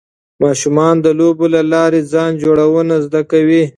ماشومان د لوبو له لارې ځان جوړونه زده کوي.